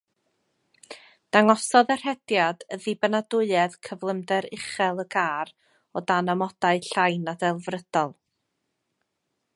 Dangosodd y rhediad ddibynadwyedd cyflymder-uchel y car o dan amodau llai na delfrydol.